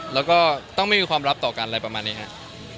แล้วก็ต้องไม่มีความลับต่อกันอะไรประมาณนี้ครับ